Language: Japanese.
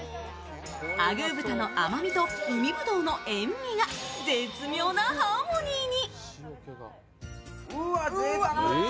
アグー豚の甘みと海ぶどうの塩味が絶妙なハーモニーに。